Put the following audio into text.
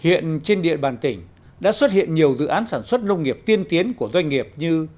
hiện trên địa bàn tỉnh đã xuất hiện nhiều dự án sản xuất nông nghiệp tiên tiến của doanh nghiệp như